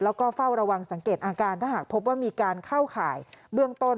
แล้วก็เฝ้าระวังสังเกตอาการถ้าหากพบว่ามีการเข้าข่ายเบื้องต้น